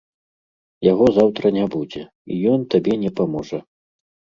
Яго заўтра не будзе, і ён табе не паможа.